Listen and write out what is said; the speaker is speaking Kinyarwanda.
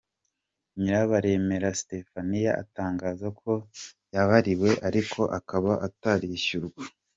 Nyirabaremera Stephanie atangaza ko yabariwe ariko akaba atarishyurwa.